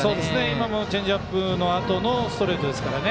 今のチェンジアップのあとのストレートですからね。